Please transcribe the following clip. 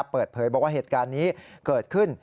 เปิดเผยบอกว่าเหตุการณ์นี้เกิดขึ้น